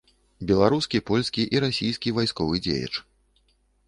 Беларускі, польскі і расійскі вайсковы дзеяч.